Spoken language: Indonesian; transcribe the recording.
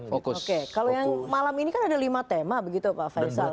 oke kalau yang malam ini kan ada lima tema begitu pak faisal